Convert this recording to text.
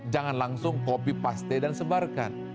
jangan langsung kopi paste dan sebarkan